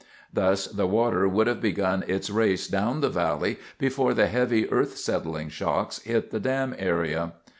Thus the water would have begun its race down the valley before the heavy earth settling shocks hit the dam area.